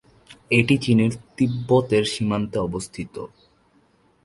এটি চীনের তিব্বতের সীমান্তে অবস্থিত।